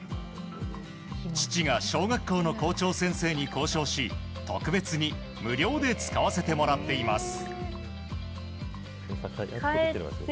父が小学校の校長先生に交渉し特別に無料で使わせてもらっています。